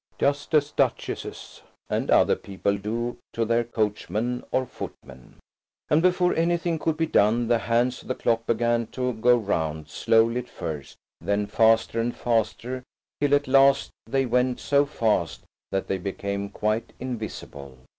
just as duchesses (and other people) do to their coachmen (or footmen). And before anything could be done the hands of the clock began to go round, slowly at first, then faster and faster, till at last they went so fast that they became quite invisible.